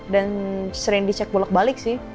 dan sering dicek bolak balik sih